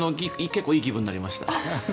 結構いい気分になりました。